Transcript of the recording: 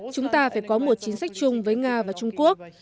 chúng ta phải có một chính sách chung với nga và trung quốc